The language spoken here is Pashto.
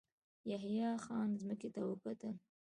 يحيی خان ځمکې ته وکتل.